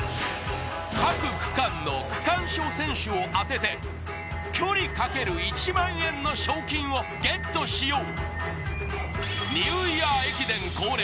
各区間の区間賞選手を当てて、距離かける１万円の賞金をゲットしよう。